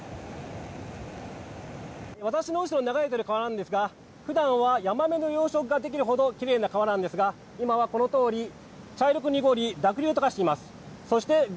私の後ろに流れてる川ですが普段はヤマメの養殖ができるほど奇麗な川ですが今はこのように茶色く濁り、濁流と化してます。